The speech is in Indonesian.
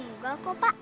nggak kok pak